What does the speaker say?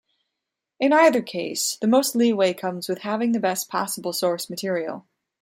In either case, the most leeway comes with having the best possible source material.